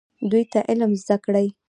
دوی ته علم زده کړئ